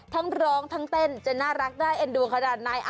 ทั้งร้องทั้งเต้นจะน่ารักได้เอ็นดูขนาดไหน